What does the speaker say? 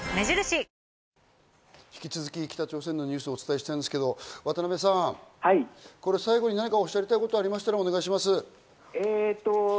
引き続き、北朝鮮のニュースをお伝えしたいんですけど、渡邊さん、最後に何かおっしゃりたいことはありますか？